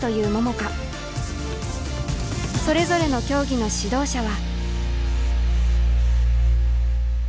それぞれの競技の指導者は。